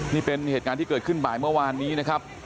นี่เป็นเหตุการณ์ที่เกิดขึ้นบ่ายเมื่อวานนี้นะครับ